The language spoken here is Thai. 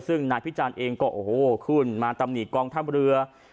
ซึ่งนายพิจารณ์เองก็โอ้โหขึ้นมาตำหนิกองทัพเรือ